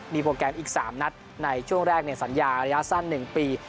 มีโปรแกรมอีก๓นัดในช่วงแรกในสัญญาระยะสั้น๑ปี